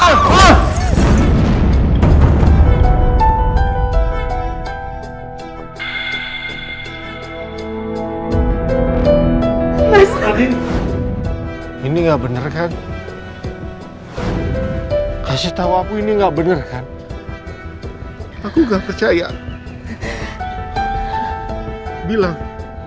hai mas adi ini enggak bener kan kasih tahu aku ini enggak bener kan aku gak percaya bilang